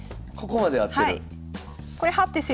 ここまで合ってる？